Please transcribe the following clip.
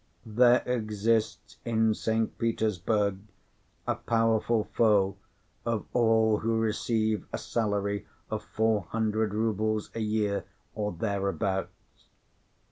There exists in St. Petersburg a powerful foe of all who receive a salary of four hundred rubles a year, or thereabouts.